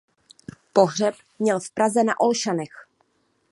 Pohřeb měl v Praze na Olšanech.